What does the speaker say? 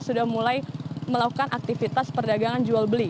sudah mulai melakukan aktivitas perdagangan jual beli